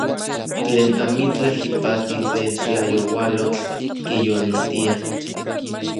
Tlen amitlaj ipati tlen tlayoualotl kiyolitia.